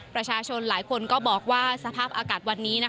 ประชาชนหลายคนก็บอกว่าสภาพอากาศวันนี้